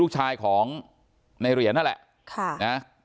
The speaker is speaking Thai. ลูกชายของในเหรียญนั่นแหละค่ะนะ